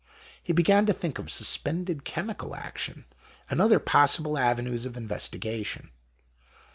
He began to think of suspended chemical action, and other possible avenues of investigation.